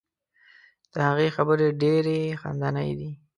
د هغې خبرې ډیرې خندنۍ دي.